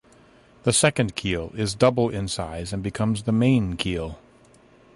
The second keel is double in size and becomes the main keel.